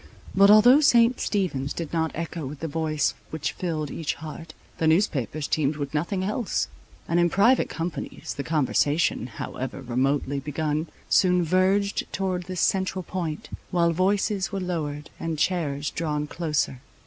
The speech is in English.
But although St. Stephen's did not echo with the voice which filled each heart, the newspapers teemed with nothing else; and in private companies the conversation however remotely begun, soon verged towards this central point, while voices were lowered and chairs drawn closer.